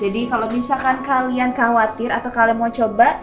jadi kalau misalkan kalian khawatir atau kalian mau coba